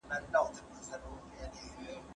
یوه افغان سرتېري د تورې په مرسته رستم خان وځپله.